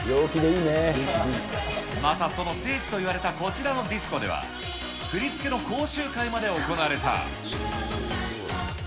またその聖地といわれたこちらのディスコでは、振り付けの講習会まで行われた。